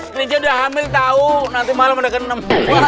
klinci udah hamil tahu nanti malam ada keenam